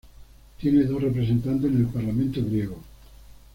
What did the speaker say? Tiene dos representantes en el parlamento griego.